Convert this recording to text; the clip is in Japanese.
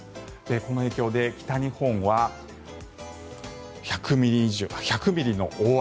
この影響で北日本は１００ミリの大雨。